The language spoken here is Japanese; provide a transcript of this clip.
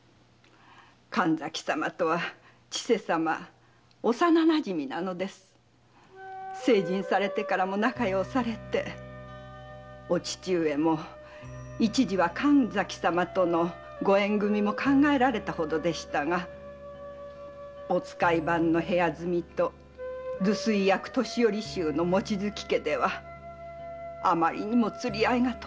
神崎様と千世様は幼なじみで成人されてからも仲良うされてお父上も神崎様とのご縁組みも考えられたほどでしたがお使い番の部屋住みと留守居役年寄衆の望月家ではあまりにも釣り合いがとれず。